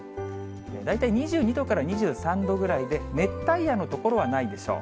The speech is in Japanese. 大体２２度から２３度ぐらいで、熱帯夜の所はないでしょう。